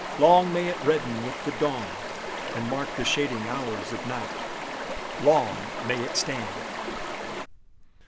Long may it redden with the dawn, And mark the shading hours of night! Long may it stand!